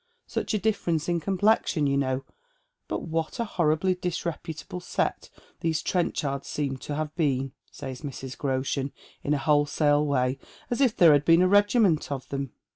Such a difference in complexion, you know. But what a homblj' disreputable set tliese Trenchards seem to have been !" says Mrs. Groshen, in a wholesale way, as if there had been a regiment of them.